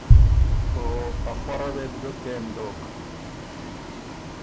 او ا خؤره وې بو ګه کېم بیوک۔